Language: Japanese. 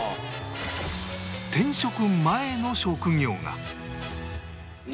転職前の職業が